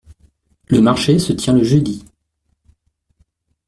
Le marché se tient le jeudi.